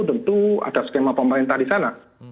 tentu ada skema pemerintah di sana